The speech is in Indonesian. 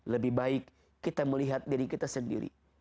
lebih baik kita melihat diri kita sendiri